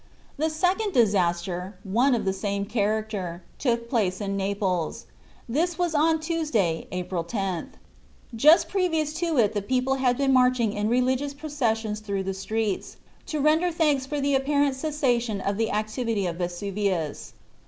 The second disaster, one of the same character, took place at Naples. This was on Tuesday, April 10th. Just previous to it the people had been marching in religious processions through the streets, to render thanks for the apparent cessation of the activity of Vesuvius.